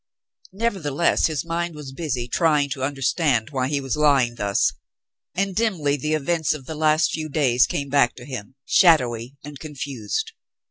Nevertheless his mind was busy trying to understand why he was lying thus, and dimly the events of the last few days came back to him, shadowy and confused.